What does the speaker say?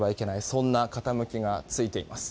そんな傾きがついています。